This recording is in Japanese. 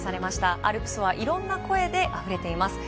アルプスはいろんな声であふれています。